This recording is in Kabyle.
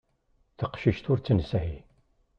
Taqcict ur tt-nesɛi.